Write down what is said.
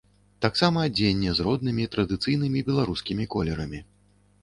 Таксама адзенне з роднымі, традыцыйнымі беларускімі колерамі.